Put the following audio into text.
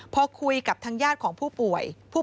พอคุยกับทางญาติของผู้ป่วย